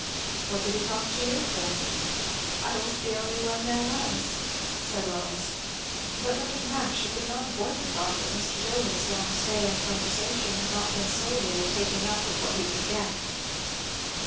"What did he talk to you for?" "I was the only one there was," said Lois. But looking back, she could not avoid the thought that Mr. Dillwyn's long stay and conversation had not been solely a taking up with what he could get.